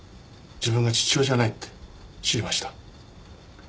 自分が父親じゃないって知りました。